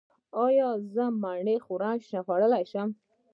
ایا زه مڼه خوړلی شم؟